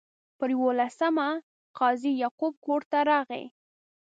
پر یوولسمه قاضي یعقوب کور ته راغی.